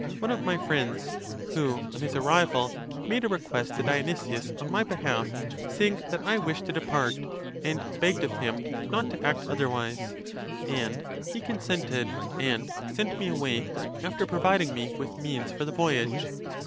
one of my friends; who, on his arrival, made a request to Dionysius on my behalf, saying that I wished to depart, and begged of him ?not to act otherwise."? And he consented, and sent me away after providing me with means for the voyage.